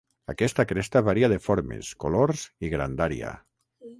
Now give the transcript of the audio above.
Aquesta cresta varia de formes, colors i grandària.